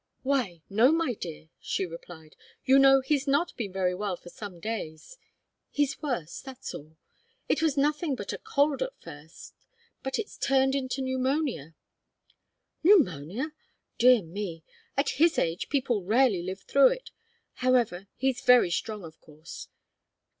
"Why, no, my dear," she replied. "You know he's not been very well for some days. He's worse that's all. It was nothing but a cold at first, but it's turned into pneumonia." "Pneumonia? Dear me! At his age, people rarely live through it however, he's very strong, of course.